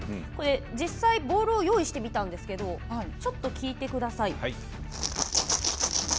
実際、ボールを用意してみたんですけど聞いてください。